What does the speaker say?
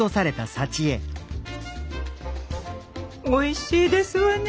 おいしいですわね